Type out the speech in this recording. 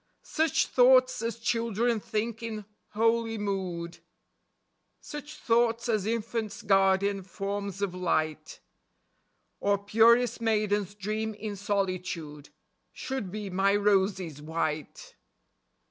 Such thoughts as children think in holy mood ; Such thoughts as infants' guardian forms of light, Or purest maidens dream in solitude, Should be my roses white.